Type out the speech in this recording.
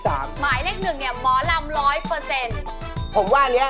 หมายเลข๑เนี่ยหมอลำ๑๐๐